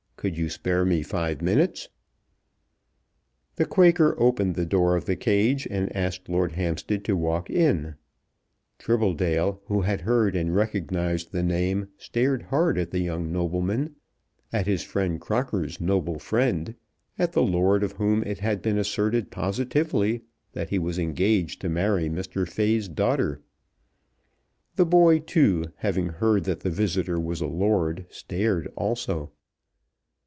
Could you spare me five minutes?" The Quaker opened the door of the cage and asked Lord Hampstead to walk in. Tribbledale, who had heard and recognized the name, stared hard at the young nobleman, at his friend Crocker's noble friend, at the lord of whom it had been asserted positively that he was engaged to marry Mr. Fay's daughter. The boy, too, having heard that the visitor was a lord, stared also.